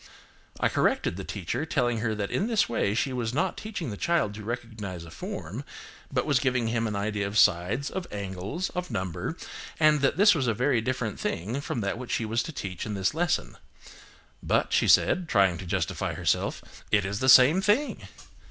I corrected the teacher, telling her that in this way she was not teaching the child to recognise a form, but was giving him an idea of sides, of angles, of number, and that this was a very different thing from that which she was to teach in this lesson. "But," she said, trying to justify herself, "it is the same thing."